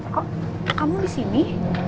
kok kamu di sini